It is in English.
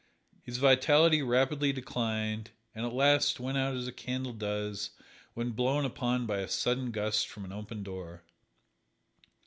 His vitality rapidly declined and at last went out as a candle does when blown upon by a sudden gust from an open door.